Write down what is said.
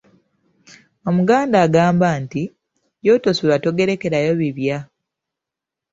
"Omuganda agamba nti, “Gy’otosula togerekerayo bibya”."